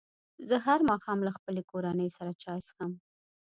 زه هر ماښام له خپلې کورنۍ سره چای څښم.